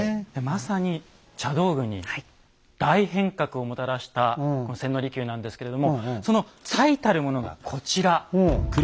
まさに茶道具に大変革をもたらしたこの千利休なんですけれどもその最たるものがこちら。